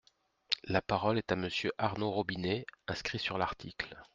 La parole est à Monsieur Arnaud Robinet, inscrit sur l’article.